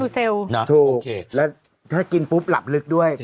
โอเคแล้วถ้ากินปุ๊บหลับลึกด้วย